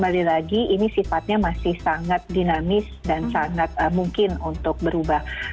jadi ini sifatnya masih sangat dinamis dan sangat mungkin untuk berubah